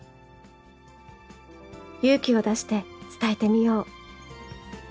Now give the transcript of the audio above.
勇気を出して伝えてみよう。